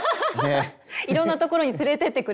いろんなところに連れてってくれそうですよね